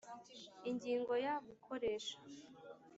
Ingingo ya gukoresha